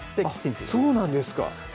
あっそうなんですか